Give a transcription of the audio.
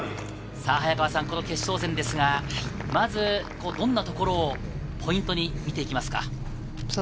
早川さん、この決勝戦ですが、どんなところをポイントに見ていきますか？